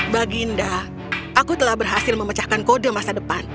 baginda aku telah berhasil memecahkan kode masa depan